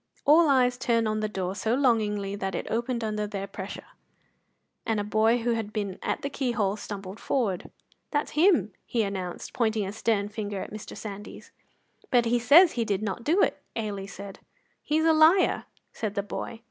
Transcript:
All eyes turned on the door so longingly that it opened under their pressure, and a boy who had been at the keyhole stumbled forward. "That's him!" he announced, pointing a stern finger at Mr. Sandys. "But he says he did not do it," Ailie said. "He's a liar," said the boy.